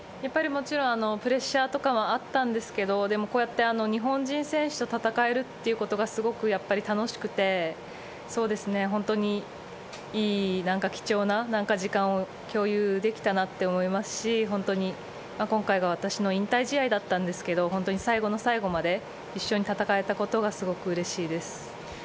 プレッシャーとかもあったんですが、日本人選手と戦えるというのがすごく楽しくて、良い、貴重な時間を共有できたなって思いますし、今回が私の引退試合だったんですが、最後の最後まで、一緒に戦えたことが、すごくうれしいです。